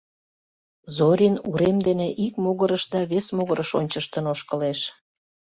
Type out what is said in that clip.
Зорин урем дене ик могырыш да вес могырыш ончыштын ошкылеш.